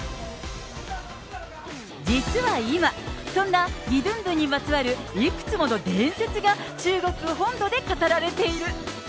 実は今、そんなギドゥンドゥンにまつわるいくつもの伝説が中国本土で語られている。